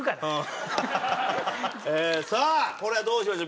さあこれどうしましょう？